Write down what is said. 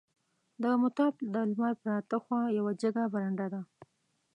د مطاف د لمر پریواته خوا یوه جګه برنډه ده.